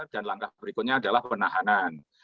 langkah berikutnya adalah penahanan